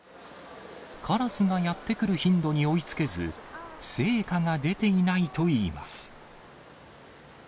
カラスがやって来る頻度に追いつけず、成果が出ていないといいます。